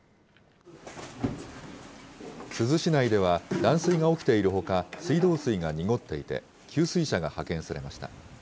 珠洲市内では断水が起きているほか、水道水が濁っていて、給水車が派遣されました。